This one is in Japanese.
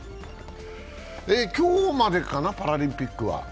今日までかな、パラリンピックは？